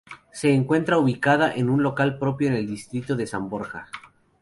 Se encuentra ubicada en un local propio en el distrito de San Borja.